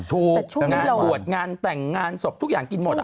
แต่งานปวดงานแต่งงานทุกอย่างกินหมด